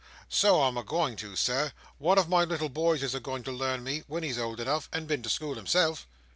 "So I'm a going to, Sir. One of my little boys is a going to learn me, when he's old enough, and been to school himself."